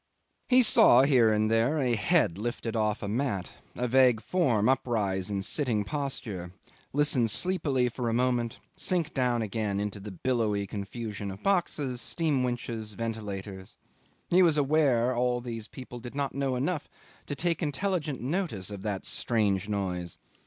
'He saw here and there a head lifted off a mat, a vague form uprise in sitting posture, listen sleepily for a moment, sink down again into the billowy confusion of boxes, steam winches, ventilators. He was aware all these people did not know enough to take intelligent notice of that strange noise.